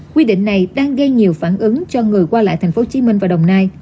quy định này đang gây nhiều phản ứng cho người qua lại tp hcm và đồng nai